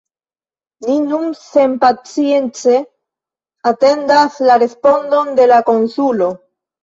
Ni nun senpacience atendas la respondon de la konsulo.